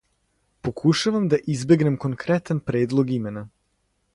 Покушавам да избегнем конкретан предлог имена.